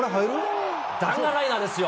弾丸ライナーですよ。